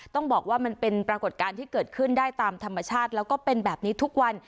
ต้องบอกว่ามันเป็นปรากฏการณ์ที่เกิดขึ้นได้ตามธรรมชาติแล้วก็เป็นแบบนี้ทุกวัน